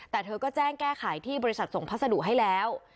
แต่เธอก็แจ้งแก้ไขที่บริษัทส่งพัสดุให้แล้ว